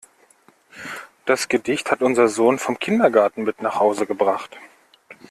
Das Gedicht hat unser Sohn vom Kindergarten mit nach Hause gebracht.